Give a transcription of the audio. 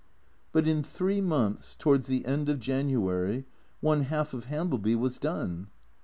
But in three months, towards the end of January, one half of Hambleby was done.